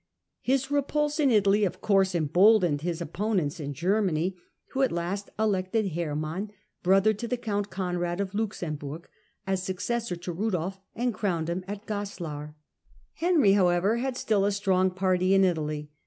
His repulse in Italy, of course, emboldened his opponents in Germany, who at last elected Herman, brother to count Conrad of Luxem burg, as successor to Rudolf, and crowned him at Goslar. Henry, however, had still a strong party in Italy.